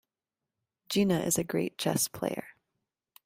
Gina is a great chess player.